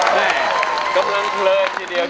แม่กำลังเผลอทีเดียว